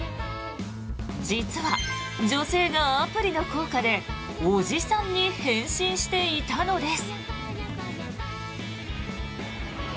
実は、女性がアプリの効果でおじさんに変身していたのです。